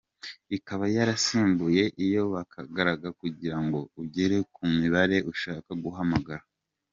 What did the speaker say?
Ikaba yarasimbuye iyo bakaragaga kugira ngo ugere ku mibare ushaka guhamagara.